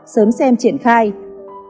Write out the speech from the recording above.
sớm xem truyền hình của các em